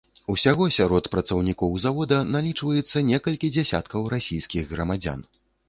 Усяго сярод працаўнікоў завода налічваецца некалькі дзесяткаў расійскіх грамадзян.